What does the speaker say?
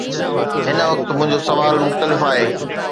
هن وقت، منهنجو سوال مختلف آهي.